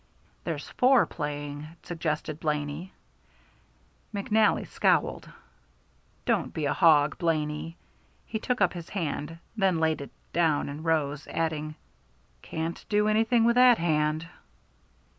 "There's four playing," suggested Blaney. McNally scowled. "Don't be a hog, Blaney." He took up his hand, then laid it down and rose, adding, "Can't do anything with that hand."